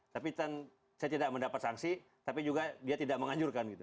tapi saya tidak mendapat sanksi tapi juga dia tidak menganjurkan gitu